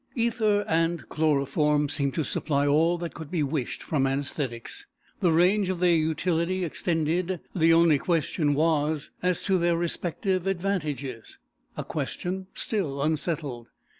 Ether and chloroform seemed to supply all that could be wished from anæsthetics. The range of their utility extended; the only question was as to their respective advantages, a question still unsettled.